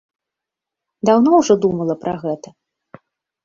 Даўно ўжо думала пра гэта?!